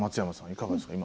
いかがですか？